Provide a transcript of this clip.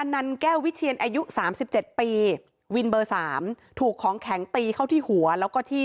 นี่นี่นี่นี่นี่นี่นี่นี่นี่